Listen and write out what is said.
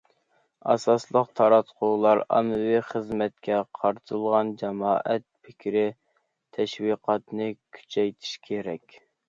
ئاساسلىق تاراتقۇلار ئاممىۋى خىزمەتكە قارىتىلغان جامائەت پىكرى تەشۋىقاتىنى كۈچەيتىشى كېرەك.